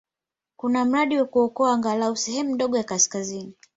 Kuna mradi wa kuokoa angalau sehemu ndogo ya kaskazini.